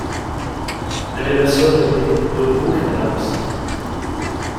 Elle est la soeur aînée de Brooke Adams.